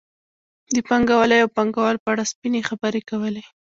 د پانګوالۍ او پانګوالو په اړه سپینې خبرې کولې.